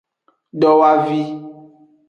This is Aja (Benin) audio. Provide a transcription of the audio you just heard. Dowavi.